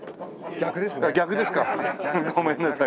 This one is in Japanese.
逆ですね。